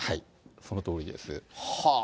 そのとおりです。